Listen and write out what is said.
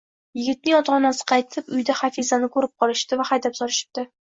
Yigitning ota-onasi qaytib, uyda Hafizani ko`rib qolishibdi va haydab solishibdi